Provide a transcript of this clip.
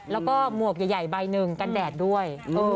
แล้วก็หมวกใหญ่ใบหนึ่งกันแดดด้วย